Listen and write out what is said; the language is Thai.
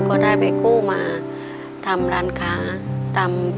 ก็ได้ไปกู้มาทำร้านค้าตำ